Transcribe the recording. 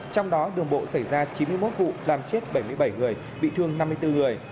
trong đó đường bộ xảy ra chín mươi một vụ làm chết bảy mươi bảy người bị thương năm mươi bốn người